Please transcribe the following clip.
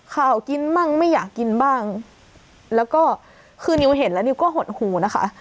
กินบ้างไม่อยากกินบ้างแล้วก็คือนิวเห็นแล้วนิวก็หดหูนะคะ